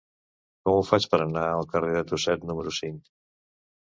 Com ho faig per anar al carrer de Tuset número cinc?